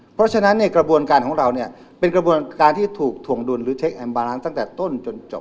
เพราะฉะนั้นเนี่ยกระบวนการของเราเนี่ยเป็นกระบวนการที่ถูกถวงดุลหรือเช็คแอมบาลานซ์ตั้งแต่ต้นจนจบ